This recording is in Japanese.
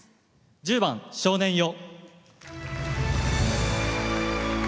１０番「少年よ」。